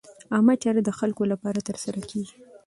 عامه چارې د خلکو لپاره ترسره کېږي.